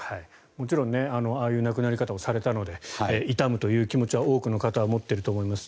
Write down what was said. もちろんああいう亡くなり方をされたので悼むという気持ちは多くの方は持っていると思います。